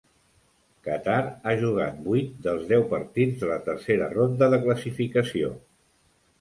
Qatar ha jugat vuit dels deu partits de la tercera ronda de classificació.